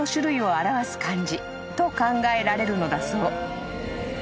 表す漢字と考えられるのだそう］